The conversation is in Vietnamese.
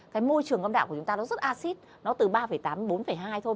cái môi trường âm đạo của chúng ta nó rất acid nó từ ba tám đến bốn hai thôi